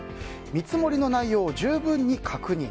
見積もりの内容を十分に確認。